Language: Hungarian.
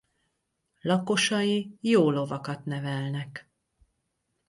Lakosai jó lovakat nevelnek.